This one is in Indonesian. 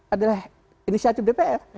adalah inisiatif dpr